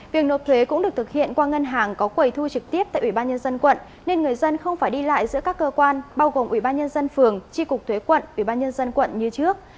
việc nộp thuế cũng được thực hiện qua ngân hàng có quầy thu trực tiếp tại ủy ban nhân dân quận nên người dân không phải đi lại giữa các cơ quan bao gồm ủy ban nhân dân phường tri cục thuế quận ủy ban nhân dân quận như trước